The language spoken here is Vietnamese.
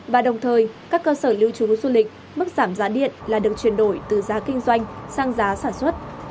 và đồng thời các cơ sở lưu trú du lịch mức giảm giá điện là được chuyển đổi từ giá kinh doanh sang giá sản xuất